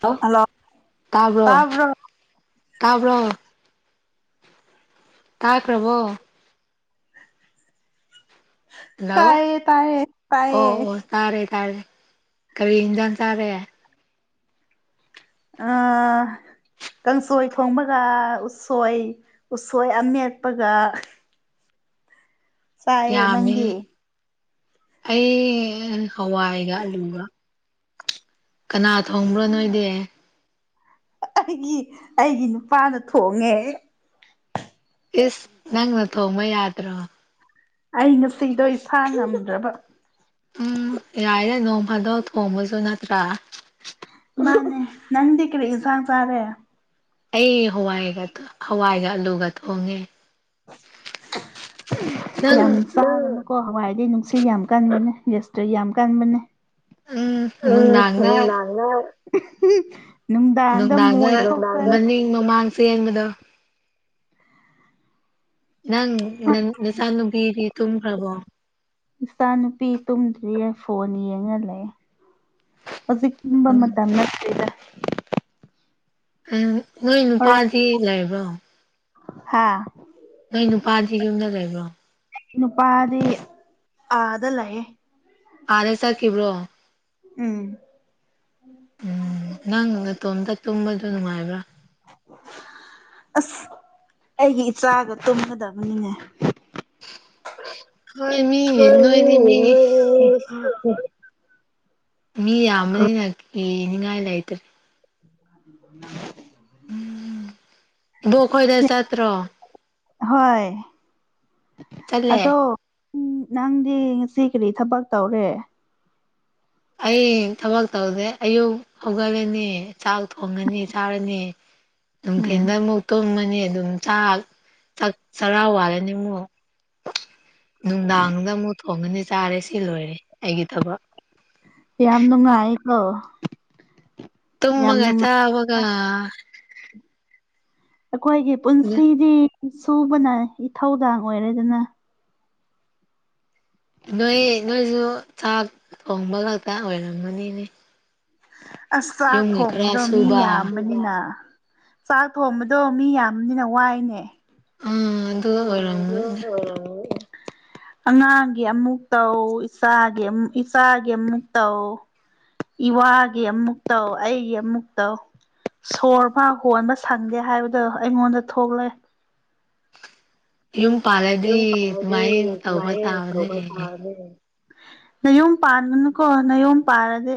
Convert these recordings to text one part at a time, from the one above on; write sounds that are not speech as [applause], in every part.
ꯍ ꯍꯜꯂꯣ ꯇꯥꯕ꯭ꯔꯣ ꯇꯥꯕ꯭ꯔꯣ ꯇꯥꯏ ꯈꯨ꯭ꯔꯕꯣ ꯍꯜꯂꯣ ꯇꯥꯏꯌꯦ ꯇꯥꯏꯌꯦ ꯑꯣ ꯇꯥꯏꯌꯦ ꯑꯣ ꯇꯥꯔꯦ ꯇꯥꯔꯦ ꯀꯔꯤ ꯏꯖꯅ ꯆꯥꯔꯦ ꯑꯥ ꯀꯥꯡꯁꯣꯏ ꯊꯣꯡꯕꯒ ꯎꯠꯁꯣꯏ ꯎꯠꯁꯣꯏ ꯑꯃꯠꯄꯒ ꯆꯑꯌꯦ ꯌꯥꯝꯃꯤ ꯅꯪꯒꯦ ꯑꯩ ꯍꯋꯥꯏꯒ ꯑꯂꯨꯒ ꯀꯅꯥ ꯊꯣꯡꯕ꯭ꯔꯣ ꯅꯣꯏꯗꯤ ꯑꯩꯒꯤ ꯑꯩꯒꯤ ꯅꯨꯄꯥꯅ ꯊꯣꯡꯉꯦ ꯏꯁ ꯅꯪ ꯅꯊꯣ ꯃ ꯌꯥꯗ꯭ꯔꯣ ꯑꯩ ꯅꯨꯁꯤꯗꯣ ꯏꯁꯥ ꯉꯝꯗ꯭ꯔꯕ ꯎꯝ ꯌꯥꯏꯔꯦ ꯅꯣꯡ ꯐꯥꯗꯣꯛ ꯊꯣꯡꯕꯁꯨ ꯅꯠꯇ꯭ꯔꯥ ꯅꯦ ꯅꯪꯗꯤ ꯀꯔꯤꯦ ꯏꯖꯥꯥꯡ ꯇꯥꯔꯦ ꯑꯩ ꯍꯋꯥꯏꯒ ꯍꯋꯥꯏꯒ ꯑꯂꯨꯒ ꯊꯣꯡꯉꯦ ꯅꯪ ꯌꯥꯝ ꯀꯣ ꯍꯋꯥꯏꯗꯤꯩ ꯅꯨꯡꯁꯤꯠ ꯌꯥꯝ ꯀꯟꯕꯅꯦ ꯖꯁꯇ ꯌꯥꯝ ꯀꯟꯕꯅꯦ ꯎꯝ ꯎꯝ ꯅꯨꯡꯗꯥꯡꯗ ꯎꯝ ꯅꯥꯟꯗ ꯅꯨꯡꯗꯥꯗ ꯃꯣ ꯏꯇ ꯁꯤꯃꯤꯗ ꯅꯪ ꯅꯆꯥꯅꯨꯄꯤꯗꯤ ꯇꯨꯝꯈ꯭ꯔꯕꯣ ꯏꯆꯥꯅꯨꯄꯤ ꯇꯨꯝꯗ꯭ꯔꯤꯦ ꯐꯣꯟ ꯌꯦꯡꯍꯂ ꯍꯧꯖꯤꯛꯨꯝꯕ ꯎꯝ ꯃꯇꯝ ꯅꯠꯇꯦꯗ ꯎꯝ ꯅꯣꯏ ꯅꯨꯄꯥꯗꯤ ꯂꯩꯕ꯭ꯔꯣ ꯍꯥꯥ ꯅꯣꯏ ꯅꯨꯄꯥꯗꯤ ꯌꯨꯝꯅ ꯂꯩꯕ꯭ꯔꯣ ꯅꯨꯄꯥꯗꯤ ꯑꯥꯗ ꯂꯩꯌꯦ ꯑꯥꯔꯦ ꯆꯀꯤꯕ꯭ꯔꯣ ꯎꯝ ꯎꯝ ꯅꯪ ꯅꯇꯣꯝꯇ ꯇꯨꯝꯕꯁꯨ ꯅꯨꯡꯉꯥꯏꯕ꯭ꯔꯥ ꯑꯁ ꯑꯩꯒꯤ ꯏꯆꯥꯒ ꯇꯨꯝꯒꯗꯕꯅꯤꯉꯦ ꯍꯣꯏ ꯃ ꯃꯤ ꯅꯣꯏꯗꯤ ꯃꯤ ꯃ ꯃꯤ ꯌꯥꯝꯃꯅꯤꯅ ꯌꯦꯅꯤꯡ ꯉꯥꯏꯂ ꯑꯥꯏꯇꯔꯦ [inaudible] ꯎꯝ ꯗꯣ ꯈꯣꯏꯗ ꯆꯇ꯭ꯔ ꯍꯣꯏ ꯑꯗꯣ ꯆꯠꯂꯦ ꯎꯝ ꯅꯪꯗꯤ ꯉꯁꯤ ꯀꯔꯤ ꯊꯕꯛ ꯇꯧꯔꯦ ꯑꯩ ꯊꯕꯛ ꯇꯧꯁꯦ ꯑꯌꯨꯛ ꯍꯧꯒꯠꯂꯅꯤ ꯆꯥꯛ ꯊꯣꯡꯉꯅꯤ ꯆꯥꯔꯅꯤ ꯅ ꯎꯝ ꯀꯦꯟꯗ ꯃꯨ ꯇꯣ ꯃꯅꯤ ꯑꯗꯨꯝ ꯆꯥꯛ ꯆꯔꯥ ꯋꯥꯠꯂꯅꯤ ꯑꯃꯛ ꯅꯨꯡꯗꯥꯡꯗ ꯑꯃꯨꯛ ꯊꯣꯡꯉꯅꯤ ꯆꯥꯔꯦ ꯁꯤ ꯂꯣꯏꯔꯦ ꯑꯩꯒꯤ ꯊꯕꯛ ꯌꯥꯝ ꯅꯨꯡꯉꯥꯏꯀꯣ ꯌꯥꯝ ꯇꯃꯒꯥꯏꯇ ꯅꯨꯡꯉꯥꯏ ꯑꯒ ꯑꯩꯈꯣꯏꯒꯤ ꯄꯨꯟꯁꯤꯗꯤ ꯁꯨꯕꯅ ꯏꯊꯧꯗꯥꯡ ꯑꯣꯏꯔꯦꯗꯅ ꯅꯣꯏ ꯅꯣꯏꯁꯨ ꯆꯥꯛ ꯊꯣꯡꯕ ꯉꯛꯇ ꯑꯣꯏꯔꯝꯃꯅꯤꯅꯦ ꯑꯁ ꯆꯥꯛ ꯌꯨꯝꯒꯤ ꯈꯔ ꯊꯣꯡꯕꯗꯣ ꯃꯤ ꯁꯨꯕ ꯌꯥꯝꯕꯅꯤꯅ ꯆꯥꯛ ꯊꯣꯡꯕꯗꯣ ꯃꯤ ꯌꯥꯝꯅꯤꯅ ꯋꯥꯏꯅꯦ ꯎꯝ ꯑꯗꯨ ꯑꯣꯏꯔꯝꯒꯅꯤ ꯎꯝ ꯑꯉꯥꯡꯒꯤ ꯑꯃꯨꯛ ꯇꯧ ꯏꯁꯥꯒꯤ ꯑꯃꯨ ꯏꯁꯆꯥꯒꯤ ꯑꯃꯨꯛ ꯇꯧ ꯏ ꯋꯥꯒꯤ ꯑꯃꯨꯛꯇꯧ ꯑꯩꯒꯤ ꯑꯃꯨꯛ ꯇꯧ ꯁꯣꯔꯕ ꯍꯣꯟꯕ ꯁꯪꯒꯦ ꯍꯥꯏꯕꯗꯣ ꯑꯩꯉꯣꯟꯗ ꯊꯣꯛꯂꯦ ꯌꯨꯝ ꯄꯥꯜꯂꯗꯤ ꯏꯟ ꯇꯒꯗꯤ ꯑꯗꯨꯃꯥꯏꯅ ꯇꯧꯕ ꯃꯥꯥꯏ ꯇꯥꯕꯅꯦ ꯐꯣꯒ ꯆꯅꯤ ꯅꯌꯣꯝ ꯄꯥꯟꯒꯅꯨꯀꯣ ꯅꯌꯣꯝ ꯄꯥꯔꯗꯤ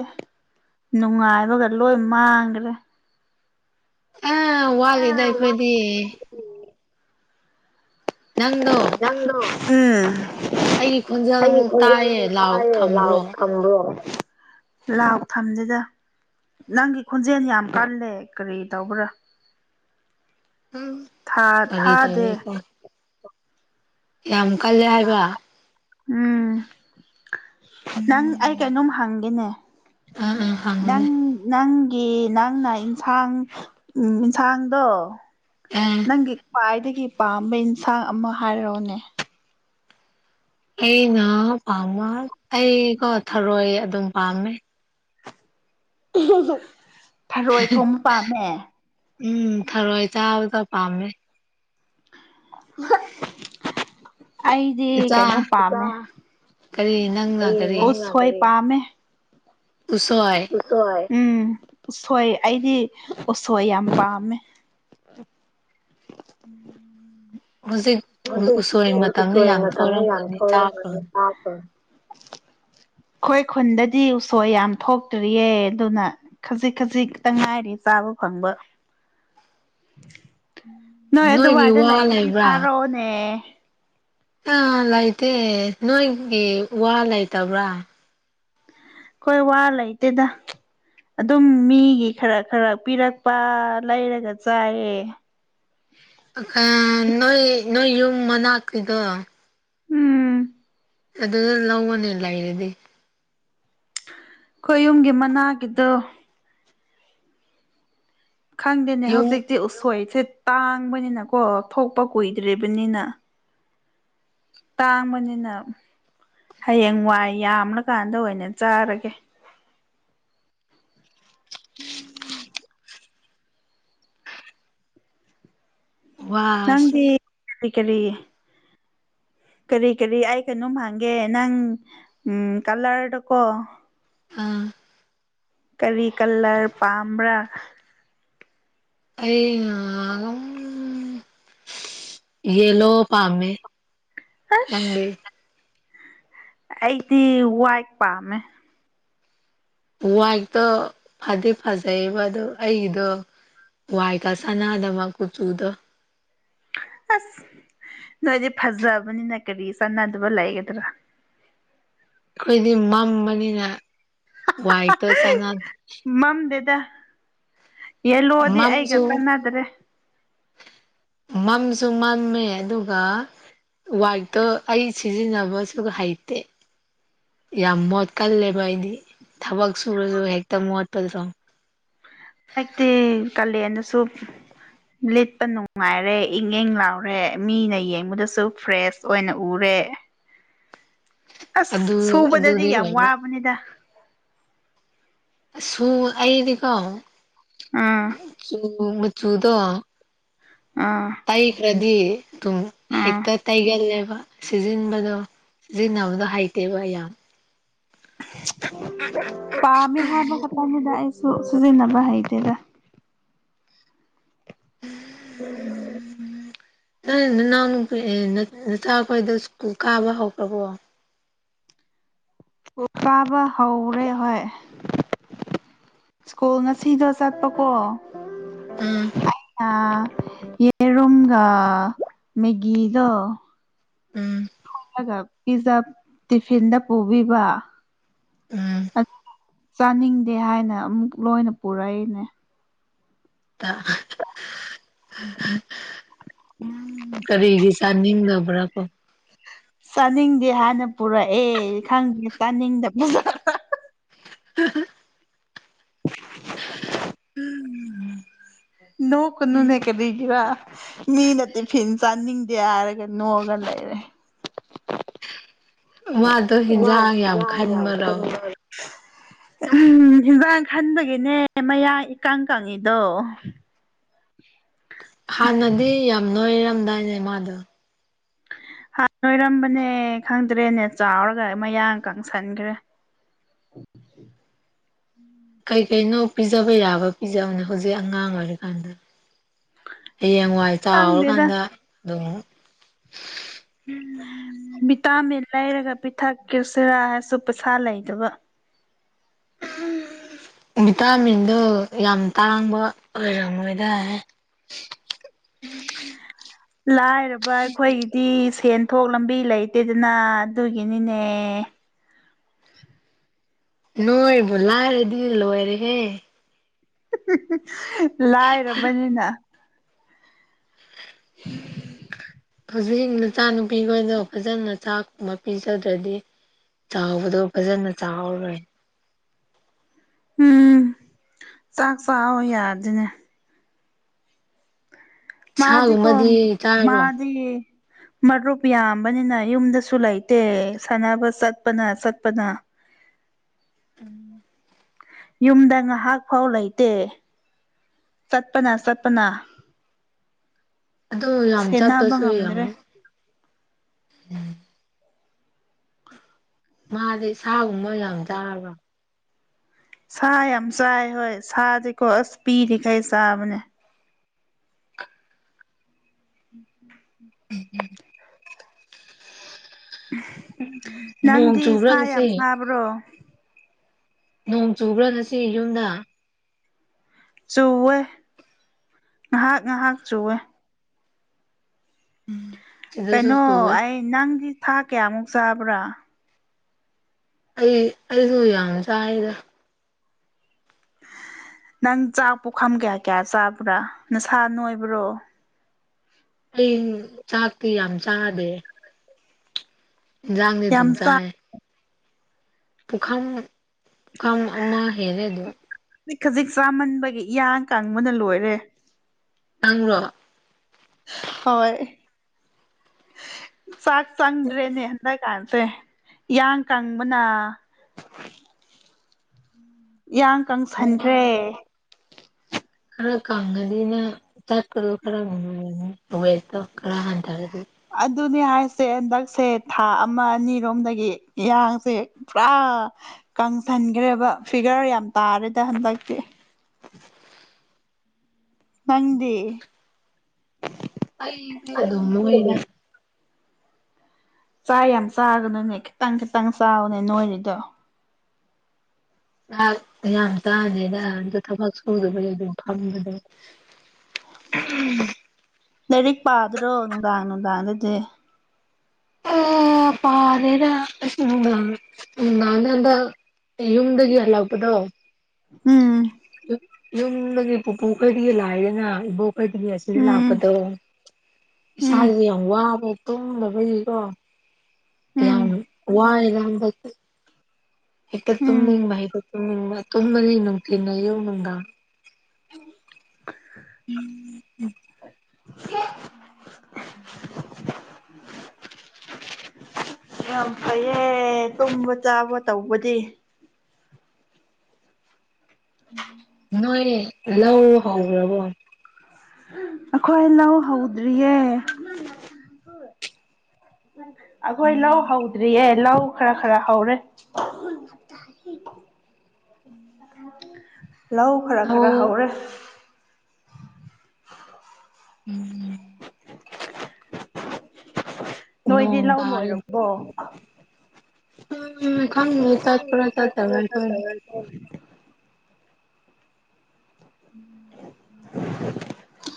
ꯅꯨꯡꯉꯥꯏꯕꯒ ꯂꯣꯏ ꯃꯥꯡꯈ꯭ꯔꯦ ꯑ ꯋꯥꯠꯂꯤꯦꯗ ꯑꯩꯈꯣꯏꯗꯤ ꯅꯪꯗꯣ ꯎꯝ ꯑꯩꯒꯤ ꯈꯣꯟꯖꯦꯜ ꯑꯩꯒꯤ ꯑꯃꯨꯛ ꯈꯣꯡ ꯇꯥꯏꯌꯦ ꯌꯥꯝꯅ ꯂꯥꯎ ꯇꯥꯏꯌꯦꯦ ꯊꯝꯕ꯭ꯔꯣ ꯂꯥꯎꯑꯣ ꯊꯝꯕ꯭ꯔꯣ ꯂꯥꯎ ꯊꯝꯗꯨꯗ ꯅꯪꯒꯤ ꯈꯣꯟꯖꯦꯜ ꯌꯥꯝ ꯀꯜꯂꯦ ꯀꯔꯤ ꯇꯧꯕ꯭ꯔꯥ ꯎꯝ ꯊꯥ ꯀꯔꯤ ꯊꯥꯗꯦ ꯇꯧꯋꯦꯀꯣ ꯌꯥꯝ ꯀꯜꯂꯦ ꯍꯥꯏꯕ ꯎꯝ ꯅꯪ ꯑꯩ ꯎꯝ ꯀꯩꯅꯣꯝ ꯍꯪꯒꯦꯅꯦ ꯑ ꯑ ꯍꯪꯉꯨꯅꯦ ꯅꯪ ꯅꯪ ꯒꯤ ꯅꯪꯅ ꯏꯟꯁꯥꯡ ꯎ ꯌꯦꯟꯁꯥꯡꯗꯣ ꯑꯦ ꯅꯪꯒꯤ ꯈ꯭ꯋꯥꯏꯗꯒꯤ ꯄꯥꯝꯕ ꯑꯦꯟꯁꯥꯡ ꯑꯃ ꯍꯥꯏꯔꯣꯅꯦ ꯑꯩꯅ ꯄꯥꯝꯕ ꯑꯩꯀꯣ ꯊꯔꯣꯏ ꯑꯗꯨꯝ ꯄꯥꯝꯃꯦ ꯐꯔꯣꯏ ꯊꯣꯡ ꯄꯥꯝꯃꯦ ꯎꯝ ꯊꯔꯣꯏ ꯆꯥꯕꯗ ꯄꯥꯝꯃꯦ [inaudible] ꯑꯩꯗꯤ ꯀꯩꯅꯣ ꯏꯆꯥ ꯄꯥꯝꯃꯦ ꯀꯔꯤ ꯅꯪꯅ ꯀꯔꯤ ꯎꯁꯣꯏ ꯄꯥꯝꯃꯦ ꯎꯁꯣꯏ ꯎꯝ ꯎꯁꯣꯏ ꯑꯩꯗꯤ ꯎꯁꯣꯏ ꯌꯥꯝ ꯄꯥꯝꯃꯦ ꯎꯝ ꯍꯧꯖꯤꯛ ꯍꯧꯖꯤꯛ ꯎꯁꯣꯔ ꯃꯇꯝꯗ ꯎꯁꯣꯏ ꯌꯥꯝ ꯃꯇꯝꯗ ꯌꯥꯝ ꯊꯧꯔꯝꯒꯅꯤ ꯆꯥꯕ꯭ꯔꯣ ꯊꯣꯛꯂꯝꯒꯅꯤ [inaudible] ꯑꯩꯈꯣꯏ ꯈꯨꯟꯗꯗꯤ ꯎꯁꯣꯏ ꯌꯥꯝ ꯊꯣꯛꯇ꯭ꯔꯤꯌꯦ ꯑꯗꯨꯅ ꯈꯖꯤꯛ ꯈꯖꯤꯛꯛꯇ ꯉꯥꯏꯔꯤ ꯆꯥꯕ ꯐꯪꯕ ꯅꯣꯏ ꯅꯣꯏꯒꯤ ꯑꯗꯨꯋꯥꯏꯗ ꯋꯥ ꯂꯩꯔꯗꯤ ꯐꯥꯔꯛꯑꯣꯅꯦ ꯑꯥ ꯂꯩꯇꯦ ꯅꯣꯏꯒꯤ ꯋꯥ ꯂꯩꯇꯕ꯭ꯔꯥ ꯀꯣꯏ ꯋꯥ ꯂꯩ ꯇꯗ ꯑꯗꯨꯝ ꯃꯤꯒꯤ ꯈꯔ ꯈꯔ ꯄꯤꯔꯛꯄ ꯂꯩꯔꯒ ꯆꯥꯏꯌꯦ [inaudible] ꯑꯈ ꯅꯣꯏ ꯅꯣꯏ ꯌꯨꯝ ꯃꯅꯥꯛꯀꯤꯗꯣ ꯎꯝ ꯑꯗꯨ ꯂꯧꯒꯅꯦ ꯂꯩꯔꯗꯤ ꯈꯌꯨꯝꯒꯤ ꯃꯅꯥꯒꯤꯗꯣ ꯈꯪꯗꯦꯅꯦ ꯌꯨꯝ ꯍꯧꯖꯤꯛꯇꯤ ꯎꯁꯣꯏꯁ ꯇꯥꯡꯕꯅꯤꯅ ꯀꯣ ꯊꯣꯛꯄ ꯀꯨꯏꯗ꯭ꯔꯤꯕꯅꯤꯅ ꯇꯥꯡꯕꯅꯤꯅ ꯍꯌꯦꯡ ꯋꯥꯏ ꯌꯥꯝꯂꯀꯥꯟꯗ ꯑꯣꯏꯅ ꯆꯥꯔꯒꯦ ꯋꯥꯁꯦ ꯅꯪꯗꯤ ꯀꯔꯤ ꯀꯔꯤ ꯀꯔꯤ ꯀꯔꯤ ꯑꯩ ꯀꯩꯅꯣꯝ ꯍꯥꯡꯒꯦ ꯅꯪ ꯎꯝ ꯀꯂꯔꯗ ꯀꯣ ꯑꯥ ꯀꯔꯤ ꯀꯂꯔ ꯄꯥꯝꯕ꯭ꯔꯥ ꯑꯩ ꯑꯝ ꯌꯦꯂꯣ ꯄꯥꯝꯃꯦꯃꯦ ꯑꯁ ꯅꯥꯗꯤ ꯑꯩꯗꯤ ꯋꯥꯏ ꯄꯥꯝꯃꯦ ꯋꯥꯏꯛꯇꯣ ꯐꯗꯤ ꯐꯖꯩꯑꯕ ꯑꯗꯣ ꯑꯩꯒꯤꯗꯣ ꯋꯥꯏ ꯀꯁꯅ ꯑꯗ ꯃꯥ ꯀꯨꯆꯨ ꯎꯗ ꯑꯁ ꯅꯣꯏꯗꯤ ꯐꯖꯕꯅꯤꯅ ꯀꯔꯤ ꯆꯥꯟꯅꯗꯕ ꯂꯩꯒꯗ꯭ꯔꯥ ꯑꯩꯈꯣꯏꯗꯤ ꯃꯝꯕꯅꯤꯅ ꯋꯥꯏꯇ ꯆꯥꯟꯅꯗꯦ ꯌꯦꯂꯣꯗꯤ ꯑꯩꯒ ꯃꯝꯁꯨ ꯆꯥꯟꯅꯗ꯭ꯔꯦ ꯃꯝꯁꯨ ꯃꯝꯃꯦ ꯑꯗꯨꯒ ꯋꯥꯏꯇꯣ ꯑꯩ ꯁꯤꯖꯤꯟꯅꯕꯁꯨ ꯍꯩꯇꯦ ꯌꯥꯝ ꯃꯣꯠꯀꯜꯂꯦꯕ ꯑꯩꯗꯤ ꯊꯕꯛ ꯁꯨꯔꯁꯨ ꯍꯦꯛꯇ ꯃꯣꯠꯄꯗ ꯁ ꯍꯥꯏꯛꯇꯤ ꯀꯥꯂꯦꯟꯗꯁꯨ ꯂꯤꯠꯄ ꯅꯨꯡꯉꯥꯏꯔꯦ ꯏꯪ ꯏꯪ ꯂꯥꯎꯔꯦ ꯃꯤꯅ ꯌꯦꯡꯕꯗꯁꯨ ꯐ꯭ꯔꯦꯁ ꯑꯣꯏꯅ ꯎꯔꯦ ꯑꯁ ꯑꯗꯨ ꯁꯨꯕꯗꯗꯤ ꯑꯗꯨꯗꯤ ꯌꯥꯝ ꯑꯣꯏꯕ ꯋꯥꯕꯅꯤꯗ ꯁꯨ ꯑꯩꯗꯤꯀꯣ ꯑꯥ ꯁ ꯎ ꯃꯥ ꯆꯨꯗ ꯑꯥ ꯇꯥꯏ ꯀ ꯔꯗꯤ ꯇ ꯑꯥ ꯍꯛꯇ ꯇꯏꯒꯦꯜꯅꯦ ꯁꯤꯖꯤꯟꯕꯗꯣ ꯁꯤꯖꯤꯟꯅꯕꯗꯣ ꯍꯩꯇꯦꯕ ꯌꯥꯝ ꯄꯥ ꯍꯥꯏꯥꯏꯕ ꯀꯇꯗꯥꯏ ꯁꯣ ꯁꯖꯤꯅꯕ ꯍꯥꯏꯗꯦꯔ ꯎꯝ ꯎꯝ ꯅ ꯅꯥꯎ ꯅꯆꯥ ꯑꯩꯈꯣꯏꯗ ꯁꯨ ꯀꯥꯕ ꯍꯧꯈ꯭ꯔꯕꯣ ꯀꯥꯕ ꯍꯧꯔꯦ ꯍꯣꯏ ꯁ꯭ꯀꯨꯜ ꯉꯁꯤꯗꯣ ꯆꯠꯄꯀꯣ ꯎꯝ ꯑꯩꯅ ꯌꯦꯔꯒ ꯃꯦꯒꯗꯣ ꯎꯝ ꯊꯔꯒ ꯄꯤꯖꯥ ꯇꯤꯐꯤꯟꯗ ꯄꯨꯕꯤꯕ ꯎꯝ ꯆꯥꯅꯤꯡꯗꯦ ꯍꯥꯏꯅ ꯑꯃꯨꯛ ꯂꯣꯏꯅ ꯄꯨꯔꯛꯏꯅꯦ ꯇ ꯀꯔꯤꯒꯤ ꯆꯥꯅꯤꯡꯗꯕ꯭ꯔꯥ ꯀꯣ ꯆꯥꯅꯤꯡꯗꯦ ꯍꯥꯟꯅ ꯄꯨꯔꯛꯑꯦ ꯈꯪꯗꯦ ꯆꯥꯅꯤꯡꯗ [unintelligible] ꯅꯣꯛꯀꯅꯨꯅꯦ ꯀꯔꯤꯒꯤꯔ ꯃꯤ ꯅꯠꯇꯦ ꯐꯤꯟ ꯆꯥꯅꯤꯡꯗꯦ ꯍꯥꯏꯔꯒ ꯅꯣꯛꯑꯒ ꯂꯩꯔꯦ ꯃꯥꯗꯣ ꯍꯤꯟꯖꯥꯡ ꯋꯥꯗꯗ ꯌꯥꯝ ꯈꯟꯕꯔꯣ ꯈꯟꯅ ꯎꯝ ꯏꯟꯖꯥꯡ ꯈꯟꯗꯒꯤꯅꯦ ꯃꯌꯥ ꯏꯀꯪ ꯀꯪꯉꯤꯗꯣ ꯍꯥꯟꯅꯗꯤ ꯌꯥꯝ ꯅꯣꯏꯔꯝꯗꯥꯏꯅꯦ ꯃꯥꯗꯣ [unintelligible] ꯍꯥꯟ ꯅꯣꯏꯔꯝꯕꯅꯦ ꯈꯪꯗ꯭ꯔꯦꯅꯦ ꯆꯥꯎꯔꯒ ꯃꯌꯥꯡ ꯀꯪꯁꯟꯈ꯭ꯔꯦ ꯎꯝ [unintelligible] ꯀꯩ ꯀꯩꯅꯣ ꯄꯤꯖꯕ ꯌꯥꯕ ꯄꯤꯖꯕꯅꯦ ꯍꯧꯖꯤꯛ ꯑꯉꯥꯡ ꯑꯣꯏꯔꯤꯀꯥꯟꯗ ꯍꯌꯦꯡꯋꯥꯏ ꯈꯪꯗꯦꯗ ꯆꯥꯎꯔꯀꯥꯟꯗ ꯑꯗꯨꯝ ꯃꯤꯇꯥ ꯃꯦ ꯂꯩꯔꯒ ꯄꯤꯊꯛ ꯀꯔꯁꯔꯥ ꯍꯥꯏꯁꯨ ꯄꯩꯁꯥ ꯂꯩꯗꯕ ꯚꯤꯇꯥꯃꯤꯟꯗ ꯌꯥꯝ ꯇꯥꯡꯕ ꯑꯣꯏꯔꯝꯃꯣꯏꯗ [inaudible] ꯎ ꯂꯥꯏꯔꯕ ꯑꯩꯈꯣꯏꯒꯤꯗꯤ ꯁꯦꯟ ꯄꯊꯣꯛ ꯂꯝꯕꯤ ꯂꯩꯇꯦꯗꯅ ꯑꯗꯨꯒꯤꯅꯤꯅꯦ ꯅꯣꯏ ꯣꯂꯥꯏꯔꯦꯗꯤ ꯂꯣꯏꯔꯦ ꯍꯦ ꯂꯥꯏꯔꯔꯕꯅꯤꯅ ꯎꯝ ꯍꯧꯖꯤꯛ ꯅꯨꯆꯥ ꯅꯨꯨꯄꯤꯈꯣꯏꯅ ꯐꯖꯅ ꯆꯥꯛꯀꯨꯝꯕ ꯄꯤꯖꯗ꯭ꯔꯗꯤ ꯆꯥꯎꯕꯗꯣ ꯐꯖꯅ ꯆꯥꯎꯥꯔꯣꯏ ꯎꯝ ꯆꯥꯛ ꯆꯥ ꯌꯥꯗꯅꯦ ꯃꯥꯗꯤ ꯀꯣ ꯁꯥꯒꯨꯝꯕꯗꯤ ꯆꯥꯔꯣ ꯃꯥꯗꯤ ꯃꯔꯨꯞ ꯌꯥꯝꯕꯅꯤꯅ ꯌꯨꯝꯗꯁꯨ ꯂꯩꯇꯦ ꯁꯥꯟꯅꯕ ꯆꯠꯄꯅ ꯆꯠꯄꯅ ꯎꯝ ꯌꯨꯝꯗ ꯉꯥꯏꯍꯥꯛꯐꯥꯎ ꯂꯩꯇꯦ ꯆꯠꯄꯅ ꯆꯠꯄꯅ ꯑꯗꯨ ꯌꯥꯝ ꯁꯦꯟꯅꯕ ꯆꯠꯄꯁꯨ ꯌꯥꯡꯉꯨ ꯉꯝꯗ꯭ꯔꯦ ꯎꯝ ꯃꯥꯁꯦ ꯁꯥꯒꯨꯝꯕ ꯌꯥꯝ ꯆꯥꯕ ꯁꯥ ꯌꯥꯝ ꯆꯥꯏ ꯍꯣꯏ ꯁꯥꯗꯤꯀꯣ ꯑꯁ ꯄꯤꯔꯤꯈꯩ ꯆꯥꯕꯅꯦ ꯎꯝ ꯅꯣꯡ ꯅꯪꯗꯤ ꯁꯥ ꯆꯨꯕ꯭ꯔꯒꯁꯦ ꯌꯥꯝ ꯆꯥꯕ꯭ꯔꯣ ꯅꯣꯡ ꯆꯨꯕ꯭ꯔꯥꯅꯁꯤ ꯌꯨꯝꯗ ꯆꯨꯋꯦ ꯉꯥꯏꯍꯥꯛ ꯉꯥꯏꯍꯥꯛ ꯆꯨꯋꯦ ꯁꯤꯗꯁꯨ ꯀꯩꯅꯣ ꯆꯨꯋꯦ ꯑꯩ ꯅꯪꯒꯤ ꯊꯥ ꯀꯌꯥꯃꯨꯛ ꯆꯥꯕ꯭ꯔꯥ ꯑꯩ ꯑꯩꯁꯨ ꯌꯥꯝ ꯆꯥꯏꯗ ꯅꯪ ꯆꯥꯛ ꯄꯣꯛꯈꯝ ꯀꯌꯥ ꯀꯌꯥ ꯆꯥꯕ꯭ꯔꯥ ꯅꯁꯥ ꯅꯣꯏꯕ꯭ꯔꯣ ꯑꯩ ꯆꯥꯛꯇꯤ ꯌꯥꯝ ꯆꯥꯗꯦ ꯏꯟꯁꯥꯡꯗꯤ ꯑꯗꯨꯝ ꯌꯥꯝ ꯆꯥ ꯆꯥꯏ ꯄꯨꯈꯥꯝ ꯄꯨꯈꯥꯝ ꯑꯃꯃ ꯍꯦꯔꯦ ꯑꯗꯨ ꯍꯧꯛ ꯈꯖꯤꯛ ꯆꯥꯃꯟꯕꯒꯤ ꯏꯌꯥꯡ ꯀꯥꯡꯪꯕꯅ ꯂꯣꯏꯔꯦ ꯅꯪ꯭ꯔꯣ ꯍꯣꯏ ꯆꯥꯛ ꯆꯪ ꯎꯝ ꯗ꯭ꯔꯦꯅꯦ ꯍꯗꯔꯀꯥꯥꯟ ꯦ ꯏꯌꯥꯡ ꯀꯪꯕꯅ ꯏꯌꯥꯡ ꯃꯃꯥꯡ ꯀꯪꯁꯟꯈ꯭ꯔꯦ ꯈꯔ ꯀꯒꯗꯤꯅ ꯇꯀꯣ ꯈꯔ ꯉꯅꯤ ꯋꯦꯠꯇꯣ ꯈꯔ ꯍꯟꯊꯔꯗꯤ ꯑꯗꯨꯅꯦ ꯍꯥꯏꯁꯦ ꯍꯟꯗꯛꯁꯦ ꯊꯥ ꯑꯃ ꯑꯅꯤꯔꯣꯝꯗꯒꯤ ꯌꯥꯌꯥꯡꯁꯦ ꯄꯨꯔꯥ ꯀꯪꯁꯟꯈ꯭ꯔꯦꯕ ꯐꯤꯒꯔ ꯌꯥꯝ ꯇꯥꯔꯦꯗ ꯍꯟꯗꯛꯇꯤ ꯅꯪꯗꯦ ꯑꯩꯗꯣꯃꯅ ꯆꯥꯛ ꯌꯥꯝ ꯆꯥꯒꯅꯨꯅꯦ ꯈꯤꯇꯪ ꯈꯤꯇꯪ ꯆꯥꯕꯅꯦ ꯅꯣꯏꯔꯤꯗꯣ ꯉꯍꯥꯛ ꯌꯥꯝ ꯇꯥꯅꯤꯅ ꯑꯗ ꯊꯕꯛ ꯁꯨꯗꯕꯒꯤ ꯑꯗꯨꯝ ꯐꯕꯅꯤ ꯎ ꯂꯥꯏꯔꯤꯛ ꯄꯥꯗ꯭ꯔꯣ ꯅꯨꯡꯗꯥꯡ ꯅꯨꯡꯗꯥꯡ ꯑꯗꯨꯗꯤ [unintelligible] ꯄꯥꯔꯅꯅ ꯌꯨꯝꯗꯒꯤ ꯍꯜꯂꯛꯄꯗꯣ ꯎꯝ ꯌꯨꯝꯗꯒꯤ ꯄꯨꯄꯨꯈꯩꯗꯤ ꯂꯥꯛꯏꯗꯅ ꯏꯕꯣꯛ ꯑꯣꯏꯣꯏꯒꯤ ꯑꯁꯤ ꯎꯝ ꯂꯥꯛꯄꯗꯣ ꯎꯝ ꯏꯁꯥꯁꯦ ꯌꯥꯝ ꯋꯥꯕ ꯇꯨꯝꯗꯕꯒꯤꯀꯣ ꯎꯝ ꯌꯥꯝ ꯋꯥꯏꯔꯕ ꯍꯦꯛꯇ ꯎꯝ ꯇꯨꯝꯅꯤꯡꯕ ꯍꯦꯛꯇ ꯇꯨꯝꯅꯤꯡꯕ ꯇꯨꯝꯃꯅꯤ ꯅꯨꯡꯊꯤꯜ ꯌꯨꯝ ꯅꯨꯡꯗ ꯎꯝ ꯎꯝ ꯎꯝ ꯎꯝ ꯌꯥꯝ ꯐꯩꯌꯦ ꯇꯨꯝꯕ ꯆꯥꯕ ꯇꯧꯕꯗꯤ ꯅꯣꯏ ꯂꯧ ꯍꯔꯕ ꯑꯩꯈꯣꯏ ꯂꯧ ꯍꯧꯗ꯭ꯔꯤꯌꯦ ꯎ ꯑꯩꯈꯣꯏ ꯂꯧ ꯍꯧꯗ꯭ꯔꯤꯌꯦ ꯂꯧ ꯈꯔ ꯈꯔ ꯍꯥꯎꯔꯦ ꯎꯝ ꯂꯧ ꯈꯔ ꯈꯔ ꯍꯧꯔꯦ ꯎꯝ ꯎꯝ ꯅꯣꯏꯗꯤ ꯅꯣꯡ ꯂꯧ ꯇꯥꯔꯦ ꯂꯣꯏꯔꯕꯣ ꯎꯝ ꯇꯄꯔ ꯇ ꯇ ꯍ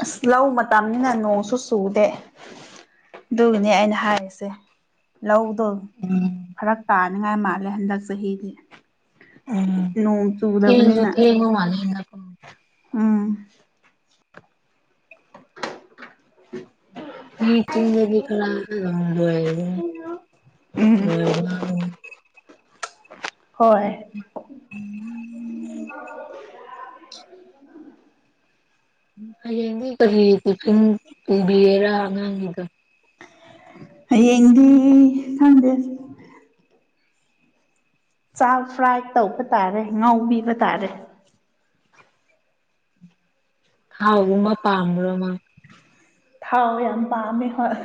ꯑꯁ ꯂꯧ ꯃꯇꯝꯅꯤꯅ ꯅꯣꯡꯁꯨ ꯆꯨꯗꯦ ꯑꯗꯨꯒꯤꯅꯦ ꯑꯩꯅ ꯍꯥꯏꯔꯤꯁꯦ ꯂꯧ ꯑꯣ ꯎꯝ ꯐꯔꯛ ꯇꯥꯅꯤꯡꯉꯥꯏ ꯃꯥꯜꯂꯦ ꯍꯟꯗꯛ ꯆꯍꯤꯗꯤ ꯎꯝ ꯅꯣꯡ ꯊꯦꯡꯁꯨ ꯆꯨꯗꯕꯅꯤꯅ ꯊꯦꯡꯕ ꯃꯥꯜꯂꯦ ꯍꯟꯗꯛꯀꯣ ꯎꯥ [unintelligible] ꯎꯝ ꯤꯟꯒꯤ ꯈꯔꯗ ꯎꯝ ꯍꯥꯏ ꯑ ꯍꯣꯏ [unintelligible] ꯎ ꯍꯌꯦꯡ ꯀꯔꯤ ꯇꯆꯤꯟ ꯄꯨꯕꯤꯒꯦꯔꯥ ꯑꯉꯥꯡꯒꯤꯗ ꯌꯦꯗꯤ ꯊꯥꯟꯗ ꯆꯥ ꯐ꯭ꯔꯥꯏ ꯇꯧꯕ ꯇꯥꯔꯦ ꯉꯥꯎꯤꯕ ꯇꯥꯔꯦ ꯍꯥꯎ ꯎꯃ ꯄꯥꯔ ꯃꯥ ꯊꯥꯎ ꯌꯥꯝ ꯄꯥꯝꯃꯦ ꯍꯣꯏ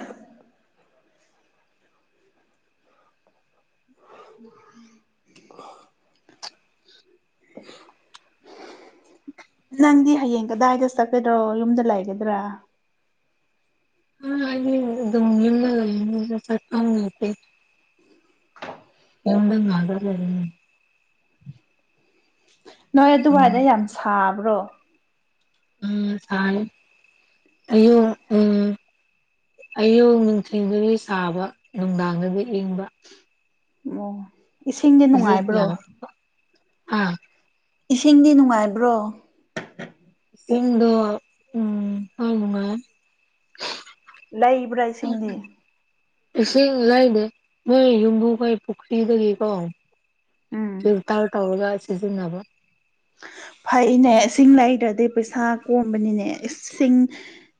ꯎꯝꯝ [unintelligible] [unintelligible] ꯅꯪꯗꯤ ꯍꯌꯦꯡ ꯀꯗꯥꯏꯗ ꯆꯠꯀꯗ꯭ꯔꯣ ꯌꯨꯝꯗ ꯂꯩꯒꯗ꯭ꯔꯥ ꯑ ꯗ ꯂꯤ ꯂꯩ ꯆ ꯀꯝ ꯂꯩꯇꯦ ꯍꯗꯂ ꯅꯣꯏ ꯎꯝ ꯑꯗꯨꯋꯥꯏꯗ ꯌꯥꯝ ꯁꯥꯕ꯭ꯔꯣ ꯎꯝ ꯐꯔꯦ ꯑꯣ ꯎꯝ ꯑꯌꯨ ꯅꯨꯡꯊꯤꯟꯒꯤ ꯁꯥꯕ ꯅꯨꯡꯗꯥꯡꯗꯒꯤ ꯏꯪꯕ ꯑꯣ ꯏꯁꯤꯡꯗꯤ ꯍꯧꯖꯤꯛ ꯅꯨꯡꯉꯥꯏꯕ꯭ꯔꯣ ꯌꯥꯝ ꯑꯥ ꯏꯁꯤꯡꯗꯤ ꯅꯨꯡꯉꯥꯏꯕ꯭ꯔꯣ ꯏꯗꯣ ꯎꯝ ꯐꯉ ꯂꯩꯕ꯭ꯔꯥ ꯏꯁꯤꯡꯗꯤ ꯏꯁꯤꯡ ꯂꯩꯅꯦꯦ ꯃꯣꯏ ꯌꯨꯝꯕꯨ ꯀꯣꯏ ꯄꯨꯈ꯭ꯔꯤꯗꯒꯤꯀꯣ ꯎꯝ ꯐꯤꯜꯇꯔ ꯇꯧꯔꯒ ꯁꯤꯖꯤꯟꯅꯕ ꯐꯩꯅꯦ ꯏꯁꯤꯡ ꯂꯩꯗ꯭ꯔꯗꯤ ꯄꯩꯁꯥ ꯀꯣꯝꯕꯅꯤꯅꯦ ꯏꯁꯤꯡ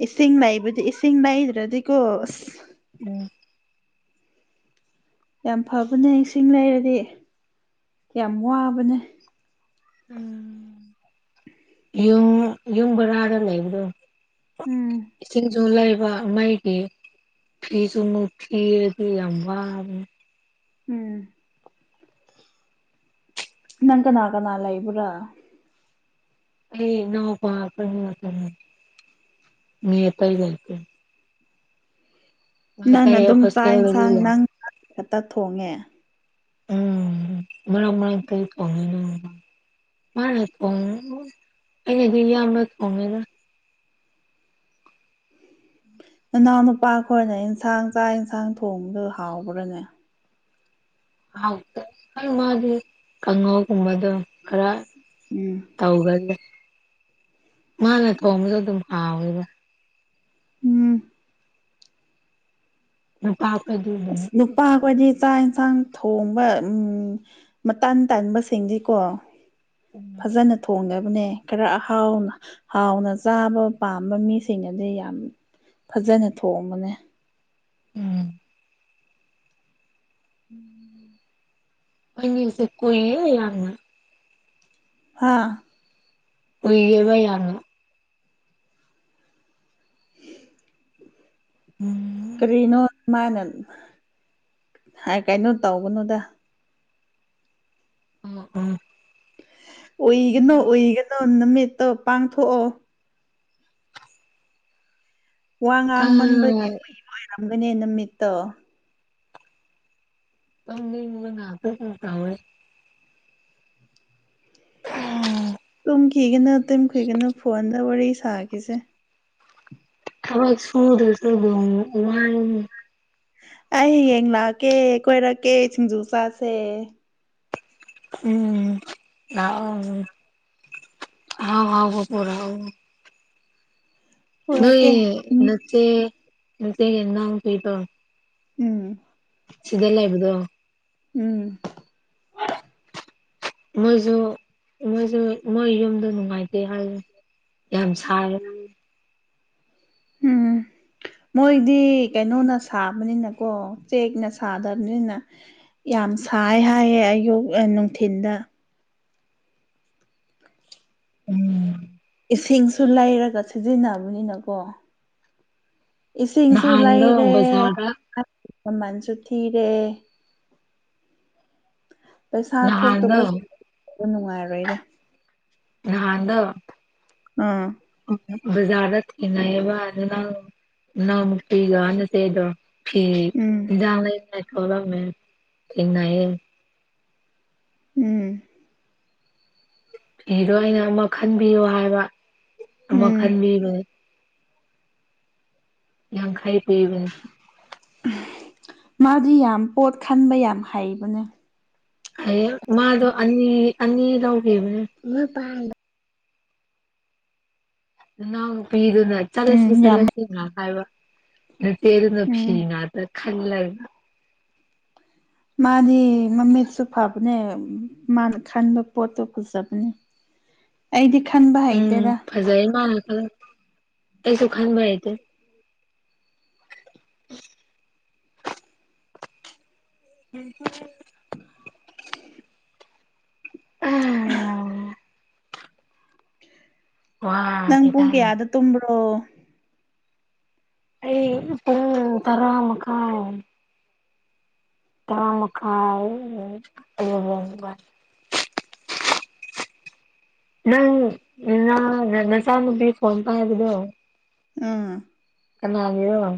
ꯏꯁꯤꯡ ꯂꯩꯕꯗꯤ ꯏꯁꯤꯡ ꯂꯩꯗ꯭ꯔꯗꯤꯀꯣ ꯑꯁ ꯎꯝ ꯌꯥꯝ ꯐꯕꯅꯦ ꯏꯁꯤꯡ ꯂꯩꯔꯗꯤ ꯌꯥꯝ ꯋꯥꯕꯅꯦ ꯌꯨꯝ ꯌꯨꯝꯕꯔꯔ ꯂꯩ ꯏꯗꯣ ꯎꯝ ꯏꯁꯤꯡꯁꯨ ꯂꯩꯕ ꯃꯩꯒꯤ ꯐꯤꯁꯨꯅ ꯊꯤꯗꯤ ꯌꯥꯝ ꯋꯥ ꯎꯝ ꯅꯪ ꯀꯅꯥ ꯀꯅꯥ ꯂꯩꯏꯕ꯭ꯔꯥ ꯑꯩ ꯅ ꯄ ꯃꯇꯝ ꯃꯤ ꯌꯦꯇ ꯌꯥꯛꯇ ꯅꯪꯅ ꯑꯗꯨꯝ ꯆꯥꯛ ꯍꯣꯁꯇꯦꯜꯗꯗꯤ ꯌꯦꯟꯁꯥꯡ ꯂꯩ ꯅꯪ ꯈꯛꯇ ꯊꯣꯡꯉꯦ ꯃꯔ ꯃꯔꯥꯡ ꯇ ꯀꯉꯅ ꯃꯥꯅꯦ ꯐ ꯑꯩꯅ ꯀ ꯅ ꯐ ꯅꯅꯥꯎ ꯅꯨꯄꯥ ꯈꯣꯏꯅ ꯏꯟꯁꯥꯡ ꯆꯥꯛ ꯌꯦꯟꯁꯥꯡ ꯊꯣꯡꯕꯗ ꯍꯥꯎꯕ꯭ꯔꯥꯅꯦ ꯥꯎ ꯃꯥꯗꯤ ꯀꯥꯡꯍꯧꯒꯨꯝꯕꯗꯣ ꯈꯔ ꯎꯝ ꯇꯧꯒꯗꯦ ꯃꯥꯅ ꯊꯣꯡꯕꯁꯨ ꯑꯗꯨꯝ ꯍꯥꯎꯋꯦꯕ ꯎꯝ ꯑ ꯅꯨꯞꯄꯥ ꯍꯥꯀꯖꯤ ꯆꯥꯛ ꯏꯟꯁꯥꯡ ꯊꯣꯡꯕ ꯎꯝ ꯃꯇꯥꯟ ꯇꯕꯁꯤꯡꯗꯤꯀꯣ ꯐꯖꯅ ꯊꯣꯡꯒ ꯅꯦ ꯈꯔ ꯑꯍꯥꯎ ꯍꯥꯎꯅ ꯆꯥꯕ ꯄꯥꯝꯕ ꯃꯤꯁꯤꯡꯅꯗꯤ ꯌꯥꯝ ꯐꯖꯅ ꯊꯣꯡꯝꯕꯅꯦ ꯎꯝ ꯑꯩꯁꯦ ꯀ ꯌꯥꯅ ꯍꯥꯥ ꯎꯏꯕꯌꯥꯅ ꯎꯝ ꯀꯔꯤꯅꯣ ꯃꯥꯅ ꯍꯥꯏ ꯀꯥꯏꯅꯣ ꯇꯧꯒꯅꯨꯗ ꯎꯝ ꯎꯝ ꯎꯏꯒꯅꯨ ꯎꯏꯒꯅꯨ ꯅꯨꯃꯤꯠꯇꯣ ꯄꯥꯡꯊꯣꯛꯑꯣ ꯋꯥ ꯉꯥꯡ ꯈꯔ ꯃꯟꯕꯒꯤ ꯎꯨꯏ ꯍꯥꯏꯔꯝꯒꯅꯦ ꯅꯨꯃꯤꯠꯇꯣ ꯑ ꯅ ꯃꯅ ꯍꯥꯦ ꯀꯦ ꯎꯝ ꯇꯨꯝꯈꯤꯒꯅꯨ ꯇꯝ ꯀꯒꯅꯨ ꯐꯣꯟꯗ ꯋꯥꯔꯤ ꯁꯥꯈꯤꯁꯦ ꯑꯣꯏ ꯁꯨꯗꯁ ꯎꯃ ꯑꯩ ꯍꯌꯦꯡ ꯂꯥꯛꯑꯀꯦ ꯀꯣꯏꯔꯛꯀꯦ ꯁꯤꯡꯖꯨ ꯆꯥꯁꯦ ꯎꯝ ꯑ ꯍꯥꯎ ꯍꯥꯎ ꯀꯣꯄꯨꯔꯥꯎ ꯅ ꯄꯨꯔꯛꯀꯦ ꯎꯝ ꯅꯠꯇꯦ ꯅꯆꯦ ꯀꯗ ꯑꯃꯨ ꯊꯇ ꯎꯝ ꯁꯤꯗꯂ ꯍꯥꯏꯕꯗꯣ ꯎꯝ ꯃꯣꯏꯁꯨ ꯃꯣꯏꯁꯨ ꯃꯣꯏ ꯌꯨꯝꯗ ꯅꯨꯡꯉꯥꯏꯇꯦ ꯍꯥꯏꯁꯦ ꯌꯥꯝ ꯁꯥꯏꯦ ꯎꯝ ꯃꯣꯏꯗꯤ ꯀꯩꯅꯣꯅ ꯁꯥꯕꯅꯤꯅꯀꯣ ꯆꯦꯛꯅ ꯁꯥꯗꯕꯅꯤꯅ ꯌꯥꯝ ꯁꯥꯏ ꯍꯥꯏꯌꯦꯦ ꯑꯌꯨꯛ ꯅꯨꯡꯊꯤꯤꯟꯗ ꯎꯝ ꯏꯁꯤꯡꯁꯨ ꯂꯩꯔꯒ ꯁꯤꯖꯤꯟꯅꯕꯅꯤꯅꯀꯣ ꯏꯁꯤꯡꯁꯨ ꯅꯍꯥꯟꯗꯣ ꯂꯩꯔꯦ ꯕꯖꯥꯔꯗ ꯃꯃꯜꯁꯨ ꯊꯤꯔꯦ ꯄꯩꯁꯥ ꯅꯍꯥꯟꯗꯣ ꯊꯣꯛꯇꯕꯁ ꯅꯨꯡꯉꯥꯏꯔꯣꯏꯔꯦ ꯅꯍꯥꯟꯗ ꯑꯥ ꯖꯥꯠꯇ ꯀꯅꯥꯕꯅ ꯅꯃꯨꯛꯇꯒꯅꯁꯗ ꯎꯝ [unintelligible] ꯎꯝ ꯐꯤꯗꯣ ꯑꯩꯅ ꯑꯃ ꯈꯟꯕꯤꯌꯣ ꯍꯥꯏꯕ ꯑꯃ ꯎꯝ ꯈꯟꯕꯤꯕꯅꯦ ꯌꯥꯡꯈꯩ ꯄꯤꯕꯅꯦ ꯃꯥꯗꯤ ꯌꯥꯝ ꯄꯣꯠ ꯈꯟꯕ ꯌꯥꯝ ꯍꯩꯕꯅꯦ ꯑ ꯃꯥꯗ ꯑꯅꯤ ꯑꯅꯤ ꯇꯧꯒꯤꯦꯕꯅꯦ ꯄꯥꯡꯗ ꯅꯪ ꯄꯤꯗꯨꯅ ꯆꯠꯂꯁꯤ ꯎꯝ ꯌꯥꯝ ꯆꯠꯂꯁꯤꯅ ꯍꯥꯏꯕ ꯇꯅꯣ ꯎꯝ ꯐꯤꯅ ꯑꯗ ꯈꯜꯅ ꯃꯥꯗꯤ ꯃꯃꯤꯗꯨꯁꯨ ꯐꯕꯅꯦ ꯃꯥꯅ ꯈꯟꯕ ꯄꯣꯠꯇꯣ ꯀꯨꯆꯕꯅꯦ ꯑꯩꯗꯤ ꯈꯟꯕ ꯍꯩꯇꯦꯗ ꯑ ꯀꯩꯁꯨ ꯈꯥꯟꯕ ꯍꯥꯏꯇꯦ ꯎ [unintelligible] [unintelligible] [unintelligible] ꯅꯪ ꯄ ꯋꯥꯔꯦꯗ ꯄꯨꯡ ꯀꯌꯥꯗ ꯇꯨꯝ꯭ꯕꯔꯣ ꯑꯩ ꯄꯨꯡ ꯇꯔꯥ ꯃꯈꯥꯏ ꯇꯔꯥ ꯃꯈꯥꯏ [unintelligible] ꯅꯪ ꯅꯆꯥꯅꯨꯄꯤ ꯐꯣꯟ ꯄꯥꯏꯕꯗꯣ ꯑꯥ ꯀꯅꯥꯒꯤ ꯔ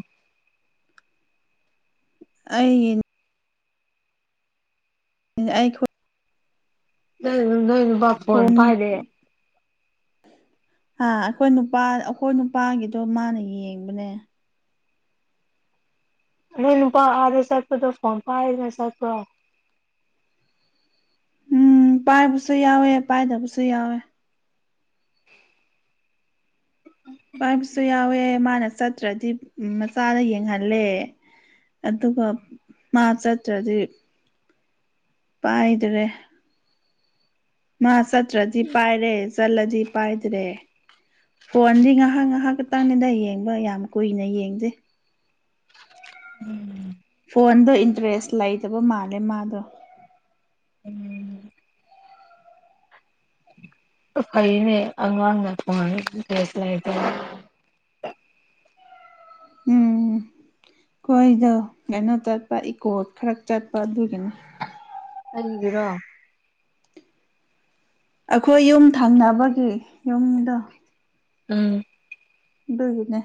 ꯑꯩꯒꯤ ꯑꯩꯈꯣꯏ ꯅ ꯅꯣꯏ ꯄꯨꯅ ꯄꯥꯏꯗꯦ ꯑ ꯑꯩꯈꯣꯏ ꯅꯨꯄꯥ ꯑꯩꯈꯣꯏ ꯅꯨꯄꯥꯒꯤꯗꯣ ꯃꯥꯅ ꯌꯦꯡꯕꯅꯦ ꯅꯣꯏ ꯅꯨꯄꯥ ꯑꯥꯔꯗꯦ ꯆꯠꯄꯗꯣ ꯐꯣꯟ ꯄꯥꯏꯗꯅꯦ ꯆꯠꯄ꯭ꯔꯣ ꯎꯝ ꯄꯥꯏꯕꯁꯨ ꯌꯥꯎꯋꯦ ꯄꯥꯏꯗꯕꯁꯨ ꯌꯥꯎꯋꯦ ꯄꯥꯏꯕꯁꯨ ꯌꯥꯎꯋꯦ ꯃꯥꯅ ꯆꯠꯇ꯭ꯔꯗꯤ ꯃꯆꯥꯗ ꯌꯦꯡꯍꯜꯂꯦ ꯑꯗꯨꯒ ꯃꯥ ꯆꯠ ꯆꯗꯤ ꯄꯥꯏꯗ꯭ꯔꯦ ꯃꯥ ꯆꯠꯇ꯭ꯔꯗꯤ ꯄꯥꯏꯔꯦ ꯆꯠꯂꯗꯤ ꯄꯥꯏꯗ꯭ꯔꯦ ꯐꯣꯟꯗꯤ ꯉꯥꯏꯍꯥꯛ ꯉꯥꯏꯍꯥꯛ ꯈꯇꯪꯅꯤꯗ ꯌꯦꯡꯕ ꯌꯥꯝ ꯀꯨꯏꯅ ꯌꯦꯡꯗꯦ ꯎꯝ ꯐꯣꯟꯗꯣ ꯏꯟꯇꯔꯦꯁ ꯂꯩꯇꯕ ꯃꯥꯜꯂꯦ ꯃꯥꯗꯣ ꯎꯝ ꯐꯩꯅꯦ ꯑꯉꯥꯡ ꯐꯉꯅꯤꯁꯇ [inaudible] ꯎꯝ ꯀꯣꯏꯗꯧ ꯀꯩꯅꯣ ꯆꯠꯄ ꯏꯀꯣ ꯈꯔ ꯆꯠꯄ ꯑꯗꯨꯒꯤꯅꯤ ꯑꯔꯤꯒ꯭ꯔꯣ ꯑꯩꯈꯣꯏ ꯌꯨꯝ ꯊꯪꯅꯕꯒꯤ ꯌꯨꯝꯗꯣ ꯑꯥ ꯅꯦ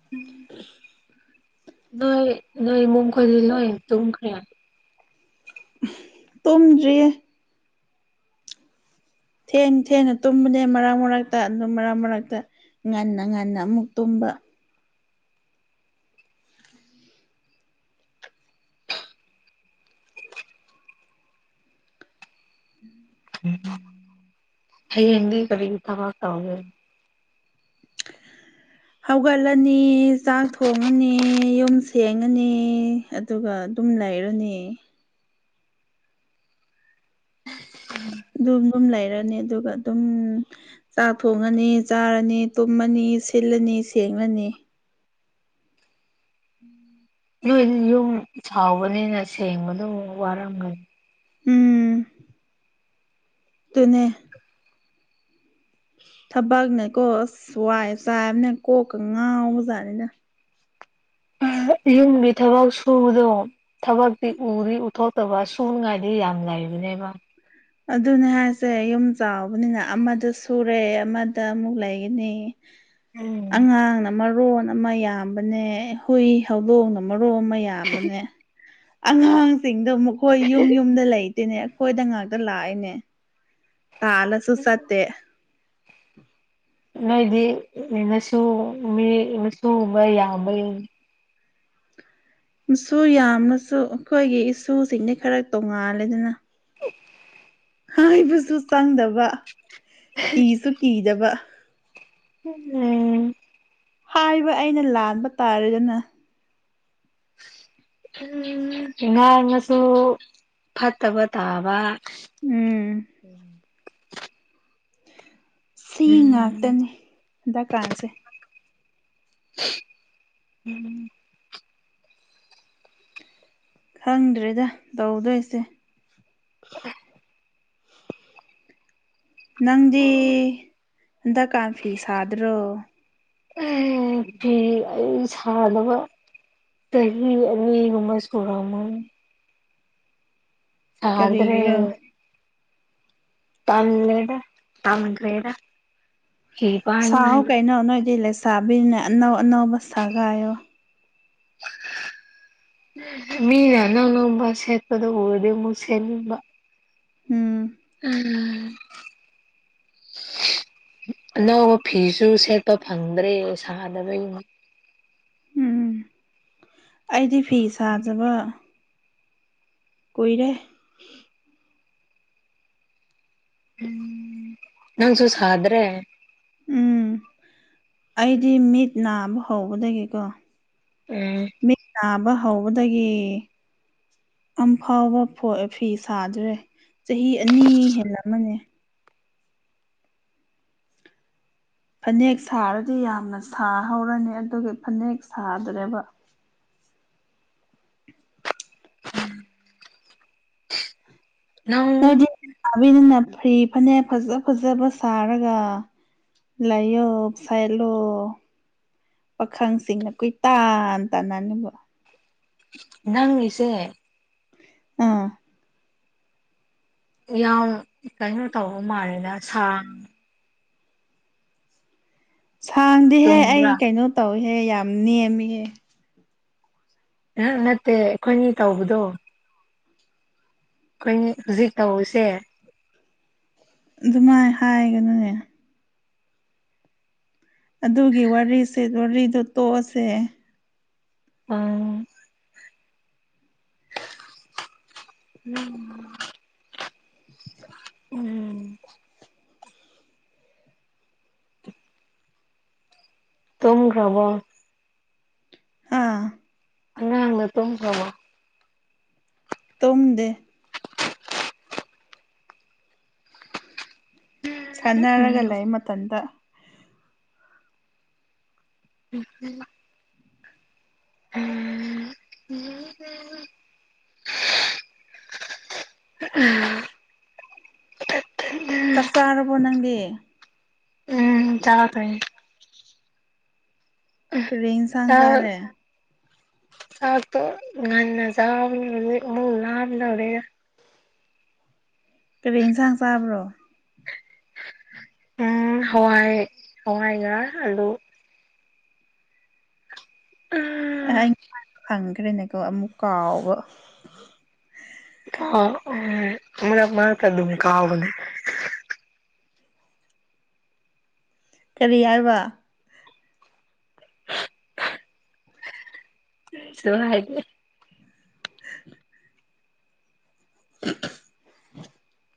[inaudible] ꯅ ꯅ ꯃꯈꯗꯤ ꯂ ꯇꯈꯦ ꯇꯝꯗꯔꯤꯌꯦ ꯊꯦꯡ ꯊꯦꯡꯅ ꯇꯨꯝꯕꯅꯦ ꯃꯔꯛ ꯃꯔꯛꯇ ꯑꯗꯨ ꯃꯔꯛ ꯃꯔꯛꯇ ꯉꯟꯅ ꯉꯟꯅ ꯑꯃꯨꯛ ꯇꯨꯝꯕ ꯍ ꯀꯗꯤ ꯀꯔꯤ ꯊ ꯇꯒꯦ ꯍꯧꯒꯠꯂꯅꯤ ꯆꯥꯛ ꯊꯣꯡꯉꯅꯤ ꯌꯨꯝ ꯁꯦꯡꯉꯅꯤ ꯑꯗꯨꯒ ꯇꯨꯝ ꯂꯩꯔꯨꯅꯦ ꯑꯗꯨꯝ ꯑꯗꯨꯝ ꯂꯩꯔꯅꯤ ꯑꯗꯨꯒ ꯑꯗꯨꯝ ꯆꯥꯛ ꯊꯣꯡꯉꯅꯤ ꯆꯥꯔꯅꯤ ꯇꯨꯝꯃꯅꯤ ꯁꯤꯜꯂꯅꯤ ꯁꯦꯡꯂꯅꯤ ꯅꯣꯏ ꯌꯨꯝ ꯆꯥꯎꯕꯅꯤꯅ ꯁꯦꯡꯕꯗ ꯋꯥꯔꯝꯒꯅꯤ ꯇꯅꯦ ꯊꯕꯛꯅꯦꯀꯣ ꯑꯁ ꯋꯥꯏ ꯆꯥꯏꯕꯅꯦ ꯀꯣꯛꯀ ꯉꯥꯎꯕꯖꯥꯠꯅꯤꯅ ꯍ ꯌꯨꯝꯒꯤ ꯊꯕꯛ ꯁꯨꯕꯗꯣ ꯊꯕꯛꯇꯤ ꯎꯔꯤ ꯎꯠꯊꯣꯛꯇꯕ ꯁꯨꯅꯤꯉꯥꯏꯗꯤ ꯌꯥꯝ ꯂꯩ ꯅꯦꯕ ꯑꯗꯨꯅꯦ ꯍꯥꯏꯁꯦ ꯌꯨꯝ ꯆꯥꯎꯕꯅꯤꯅ ꯑꯃꯗ ꯁꯨꯔꯦ ꯑꯃꯗ ꯑꯃꯨꯛ ꯂꯩꯒꯅꯤ ꯎꯝ ꯑꯉꯥꯡꯅ ꯃꯔꯣꯟ ꯑꯃ ꯌꯥꯝꯕꯅꯦ ꯍꯨꯏ ꯍꯧꯗꯣꯡꯅ ꯑꯃ ꯃꯔꯣ ꯃꯌꯥꯝꯕꯅꯦ ꯑꯉꯥꯡꯁꯤꯡꯗꯣ ꯃꯈꯣꯏ ꯌꯨꯝ ꯌꯨꯝꯗ ꯂꯩ ꯑꯗꯨꯤꯅꯦ ꯑꯩꯈꯣꯏꯗ ꯉꯥꯛꯇ ꯂꯥꯛꯏꯅꯦ ꯇꯥꯜꯂꯁꯨ ꯆꯠꯇꯦ ꯅꯣꯏꯗꯤ ꯃꯆꯨ ꯃꯤ ꯃꯁꯨꯨꯒꯨꯝꯕ ꯌꯥꯝꯕ ꯁꯨ ꯌꯥꯝꯃꯁꯨ ꯑꯩꯈꯣꯏꯒꯤ ꯏꯁꯨꯁꯤꯡꯗꯤ ꯈꯔ ꯇꯣꯡꯉꯥꯜꯂꯦꯗꯅ [unintelligible] ꯍꯥꯏꯕꯁꯨ ꯆꯪꯗꯕ ꯀꯤꯁꯨ ꯀꯤꯗꯕ ꯎꯝ ꯍꯥꯏꯕ ꯑꯩꯅ ꯂꯥꯟꯕ ꯇꯥꯔꯦꯗꯅ ꯎ ꯉꯥꯡꯅꯁꯨ ꯐꯠꯇꯕ ꯇꯥꯕ ꯎꯝ ꯎꯝ ꯁꯤ ꯐꯤ ꯑꯩ ꯉꯥꯛꯇꯅꯤ ꯍꯟꯗꯛꯀꯥꯟꯁꯦ ꯎꯝ ꯈꯪꯗ꯭ꯔꯔꯤꯗ ꯇꯧꯗꯣꯏꯁꯦ ꯅꯪꯗꯤ ꯍꯟꯗꯛꯀꯥꯟ ꯐꯤ ꯁꯥꯗ꯭ꯔꯣ ꯎꯝ ꯐꯤ ꯑꯩ ꯁꯥꯟꯅꯕ ꯇꯃꯁꯀꯔ ꯑꯃꯅꯤ ꯑꯗꯨ꯭ꯔꯦ ꯀꯔꯤꯒꯤꯔꯣ ꯇꯃꯦꯔ ꯇꯥꯡꯦꯗ ꯁꯥꯍ ꯀꯩꯅꯣ ꯅꯣꯏꯗꯤ ꯂꯩꯁꯥꯕꯤꯅꯦ ꯑꯅꯧ ꯑꯅꯧꯕ ꯁꯒꯥꯏꯣ [unintelligible] ꯃꯤꯅꯅꯧꯅꯝꯕ ꯁꯦꯠꯄꯗ ꯑꯣꯏꯗꯤꯕꯨꯁꯦꯠꯕ ꯎꯝ ꯎꯝ [unintelligible] ꯑꯅꯧꯕ ꯐꯤꯁꯨ ꯁꯦꯠꯄ ꯐꯪꯗ꯭ꯔꯦ ꯁꯥꯗꯕꯒꯤ ꯎꯝ ꯑꯩꯗꯤ ꯐꯤ ꯁꯥꯖꯕ ꯀꯣꯏꯔ ꯎꯝ ꯅꯪꯁꯨꯣꯁ꯭ꯔꯦ ꯎꯝ ꯑꯩꯗꯤ ꯃꯤꯠ ꯅꯥꯕ ꯍꯧꯕꯗꯒꯤꯦꯀꯣ ꯎꯝ ꯃꯤꯡ ꯅꯥꯕ ꯍꯧꯕꯗꯒꯤ ꯑꯝ ꯐꯥꯎꯕ ꯐꯤ ꯁꯥꯗ꯭ꯔꯦ ꯆꯍꯤ ꯑꯅꯤ ꯍꯦꯜꯂꯃꯅꯦ ꯐꯅꯦꯛ ꯁꯥꯔꯗꯤ ꯌꯥꯝꯅ ꯁꯥꯍꯧꯔꯅꯤ ꯑꯗꯨꯒꯤ ꯐꯅꯦꯛ ꯁꯥꯗ꯭ꯔꯦꯕ ꯎꯝ ꯅꯣꯏꯗꯤ ꯁꯥꯕꯅꯤꯅ ꯐ꯭ꯔꯤ ꯐꯅꯦꯛ ꯐꯖ ꯐꯖꯕ ꯁꯥꯔꯒ ꯂꯥꯏꯌꯣ ꯐꯥꯏꯂꯣ ꯄꯥꯈꯪꯁꯤꯡꯅ ꯀꯨꯏ ꯇꯥꯟ ꯇꯥꯅꯅꯤꯕ ꯅꯪꯂꯤꯁꯦ ꯑꯥ ꯌꯥꯎ ꯀꯩꯅꯣ ꯇꯧ ꯃꯥꯜꯂꯦꯗ ꯁꯥꯡ ꯁꯥꯡꯗꯤꯍꯦ ꯑꯩ ꯆꯨꯝꯕ꯭ꯔꯥ ꯀꯩꯅꯣ ꯇꯧꯏꯍꯦ ꯌꯥꯝ ꯅꯦꯝꯃꯤꯍꯦ ꯑ ꯅꯠꯇꯦ ꯑꯩꯈꯣꯏꯅꯤ ꯇꯧꯕꯗꯣ ꯑꯩꯈꯣꯏ ꯍꯧꯖꯤꯛ ꯇꯧꯁꯦ ꯑꯗꯨꯃꯥꯏꯅ ꯍꯥꯏꯒꯅꯨꯅꯦ ꯑꯗꯨꯒꯤ ꯋꯥꯔꯤ ꯋꯥꯔꯤꯗ ꯇꯣꯛꯑꯁꯦ ꯑ ꯎꯝ ꯎꯝ ꯇꯨꯝꯈ꯭ꯔꯕꯣ ꯑꯥ ꯑꯉꯥꯡ ꯗꯣ ꯇꯨꯝꯈꯔ꯭ꯕꯣ ꯇꯨꯝꯗꯦ ꯁꯥꯟꯅꯔꯒ ꯎꯝ ꯂꯩ ꯃꯇꯝꯗ ꯎꯝ ꯎꯝ ꯎꯝ [inaudible] ꯑꯥ ꯆꯥꯛ ꯆꯥꯔꯕꯣ ꯅꯪꯗꯤ ꯎꯝ ꯆꯥꯔ ꯇꯥꯏ ꯀꯔꯤ ꯌꯦꯟꯁꯪ ꯆꯔꯦ ꯆꯇ ꯉꯟꯅ ꯆꯕ ꯃ ꯂꯗ ꯍꯧꯔꯔ ꯀꯩꯕꯩ ꯌꯦꯟꯁꯥꯡ ꯆꯥꯕ꯭ꯔꯣ ꯎꯝ ꯍꯋꯥꯏ ꯍꯋꯥꯏꯒ ꯑꯜꯂꯨ ꯑ ꯑꯩ ꯐꯪꯈ꯭ꯔꯦꯅꯦꯀꯣ ꯑꯃꯨꯛ ꯀꯥꯎꯕ ꯑ ꯑꯅ ꯃꯥꯔ ꯇ ꯀꯥꯕꯅꯤ ꯀꯔꯤ ꯍꯥꯏꯔꯕ ꯁꯨꯝ ꯍꯥꯏꯦ [inaudible] [inaudible]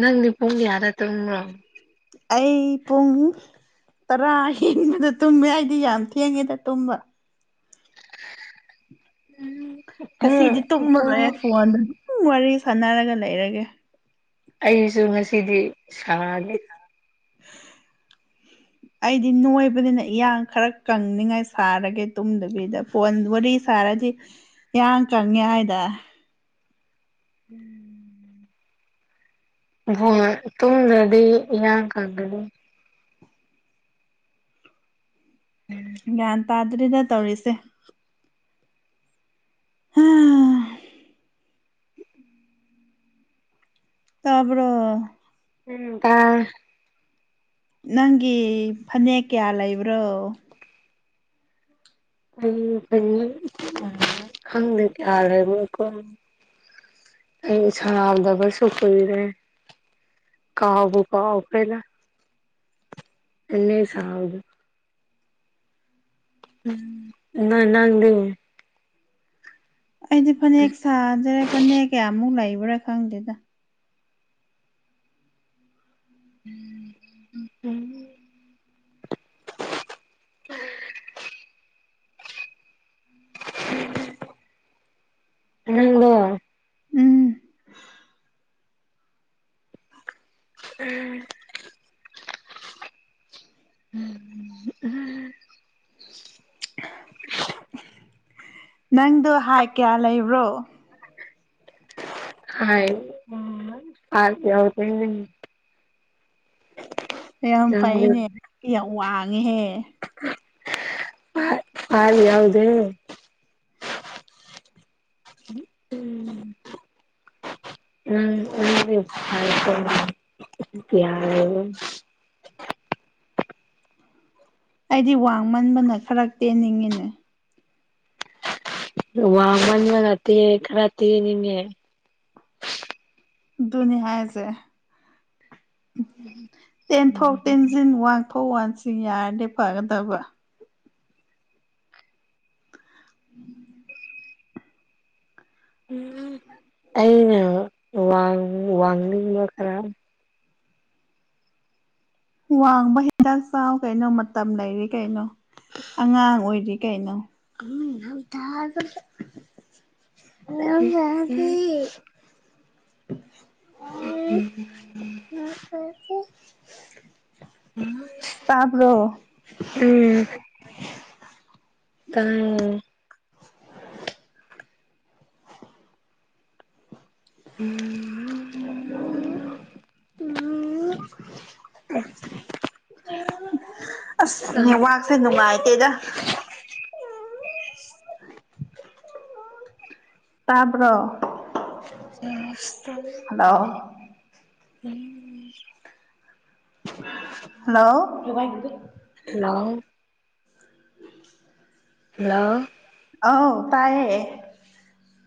ꯅꯪꯅꯤ ꯄꯅꯤꯡ ꯌꯥꯔ ꯇꯣꯡꯣꯡꯣ ꯑꯩ ꯄꯨꯡ ꯇꯔꯥ ꯍꯦꯟꯕꯗ ꯇꯨꯝꯃꯦ ꯑꯩꯗꯤ ꯌꯥꯝ ꯊꯦꯡꯉꯦꯗ ꯇꯨꯝꯕ ꯎꯟ ꯉꯁꯤꯗꯤ ꯇꯨꯝꯃꯔꯣꯏꯑꯦ ꯐꯣꯟꯗ ꯑꯗꯨ ꯑꯗꯨꯝ ꯋꯥꯔꯤ ꯁꯥꯟꯅꯔꯒ ꯂꯩꯔꯒꯦ ꯑꯩꯁꯨ ꯉꯁꯤꯗꯤ ꯁꯥꯔꯒꯦ [inaudible] ꯑꯩꯗꯤ ꯅꯣꯏꯕꯅꯤꯅ ꯏꯌꯥꯡ ꯈꯔ ꯀꯪꯅꯤꯉꯥꯏ ꯁꯥꯔꯒꯦ ꯇꯨꯝꯗꯕꯤꯗ ꯐꯣꯟ ꯋꯥꯔꯤ ꯁꯥꯔ ꯍꯥꯏꯗꯤ ꯏ ꯀꯪꯉꯦ ꯍꯥꯏꯗ ꯎꯝ ꯍ ꯇꯨꯡꯗ꯭ꯔꯗꯤ ꯌꯥ ꯀꯛꯗꯗꯤ ꯒ꯭ꯌꯥꯟ ꯇꯥꯗꯔꯤꯗ ꯇꯧꯔꯤꯁꯦ ꯑꯥ ꯇꯥꯕꯔꯣ ꯎꯇ ꯅꯪꯒꯤ ꯐꯅꯦꯛ ꯀꯌꯥ ꯂꯩꯕ꯭ꯔꯣ ꯑꯩ ꯈꯪꯗ ꯀꯌꯥꯔꯦ ꯃꯣ ꯑꯩ ꯁꯅꯥꯗꯕꯁꯨꯊꯔꯦ ꯀꯥꯎꯥꯎꯕꯕꯨ ꯀꯥꯎꯥꯎ ꯄꯦꯂ ꯑꯁꯥꯎꯗ ꯎꯝ ꯂꯗꯦ ꯑꯩꯗꯤ ꯐꯅꯦꯛ ꯁꯥꯗ꯭ꯔꯦ ꯐꯅꯦꯛ ꯀꯌꯥꯃꯨꯛ ꯂꯩꯕ꯭ꯔꯥ ꯈꯪꯗꯦꯗ ꯎ ꯎꯝ [unintelligible] [inaudible] ꯅꯪꯂꯣ ꯎꯝ ꯎꯝ ꯎꯝ ꯅꯪꯗꯣ ꯍꯥꯏ ꯀꯌꯥ ꯂꯩꯕ꯭ꯔꯣ ꯍꯥꯏ ꯐ ꯌꯥꯎꯗ ꯌꯥꯝ ꯐꯩꯅꯦ ꯑꯩ ꯌꯥꯝ ꯋꯥꯡꯉꯦꯍꯦ ꯍꯔ ꯌꯥꯎꯗꯦ ꯎꯝ ꯎꯝꯌꯥꯔ ꯎꯝ ꯑꯩꯗꯤ ꯋꯥꯡꯃꯟꯕꯅ ꯈꯔ ꯇꯦꯟꯅꯤꯡꯉꯤꯅꯦ ꯋꯥ ꯃꯅꯤ ꯃꯇ ꯈꯔꯇꯦ ꯑꯗꯨꯅꯤ ꯍꯥꯏꯁꯦ ꯇꯦꯟꯊꯣꯛ ꯇꯦꯟꯁꯤꯟ ꯋꯥ ꯐ ꯋꯥꯟ ꯁꯤ ꯌꯥꯦ ꯐ ꯇꯕ ꯎꯝ ꯑꯩꯅ ꯋꯥ ꯋꯥꯡꯅꯤꯡꯕ ꯈꯔ ꯋꯥꯡꯕ ꯍꯤꯗꯥꯛ ꯆꯥꯎ ꯀꯩꯅꯣ ꯃꯇꯝ ꯂꯩꯔꯤ ꯀꯩꯅꯣ ꯑꯉꯥꯡ ꯑꯣꯏꯔꯤ ꯀꯩꯅꯣ ꯑ ꯃꯁꯤ ꯎꯝ ꯇꯥꯕ꯭ꯔꯣ ꯎꯝ ꯇꯥꯏꯌꯦ ꯎꯝ ꯎꯝ ꯎꯝ ꯎ ꯑꯁꯅꯦ ꯋꯥꯥꯛꯁꯦ ꯅꯨꯡꯉꯥꯏꯇꯦꯗ ꯇꯔꯕ ꯑꯁ ꯍꯂꯣ ꯎꯝ ꯍꯜꯂꯣ ꯍꯜꯂꯣ ꯍꯜꯂꯣ ꯑꯧ ꯇꯥꯏꯌꯦ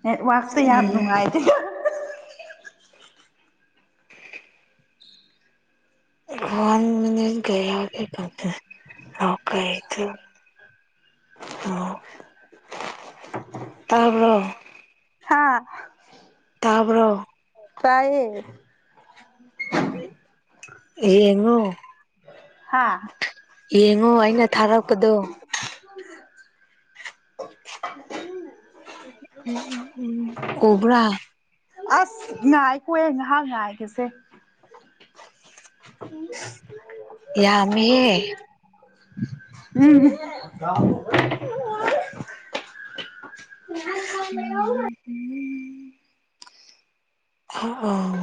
ꯅꯦꯠꯋꯥꯛꯁꯦ ꯌꯥꯝ ꯎꯝ ꯅꯨꯡꯉꯥꯏꯇꯦ ꯋꯥꯟ ꯃꯤꯅꯤꯠꯌꯥꯒꯦ ꯀ ꯑꯥ ꯇꯥꯕꯔꯣ ꯍꯥ ꯇꯕ꯭ꯔꯣ ꯇꯥꯏꯌꯦ ꯑꯦꯅꯣ ꯍꯥꯥ ꯌꯦꯡꯉꯣ ꯑꯩꯅ ꯊꯥꯔꯛꯄꯗꯣ ꯍ ꯎꯝ ꯎ ꯎ ꯎꯝ ꯑꯣꯕ꯭ꯔꯥ ꯑꯁ ꯉꯥꯏꯈꯣꯍꯦ ꯉꯥꯏꯍꯥꯛ ꯉꯥꯏꯒꯁꯦ ꯌꯥꯝꯃꯤꯍ ꯎꯝ ꯎꯝ ꯎꯝ ꯑ ꯑꯥ